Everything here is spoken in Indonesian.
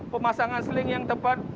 pemasangan seling yang tepat